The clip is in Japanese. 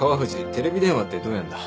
テレビ電話ってどうやんだ？